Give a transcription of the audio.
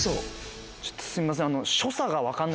ちょっとすいません。